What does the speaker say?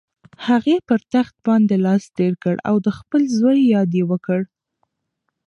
هغې پر تخت باندې لاس تېر کړ او د خپل زوی یاد یې وکړ.